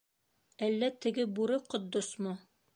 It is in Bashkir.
Әллә теге Бүре Ҡотдосмо?